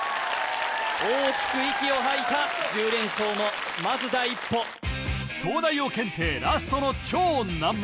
大きく息を吐いた１０連勝のまず第一歩東大王検定ラストの超難問